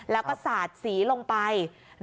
แล้วก็สาดสีลงไป